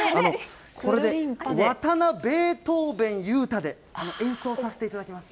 これで、わたなベートーベン裕太で演奏させていただきます。